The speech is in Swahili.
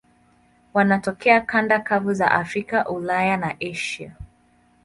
Wanatokea kanda kavu za Afrika, Ulaya na Asia.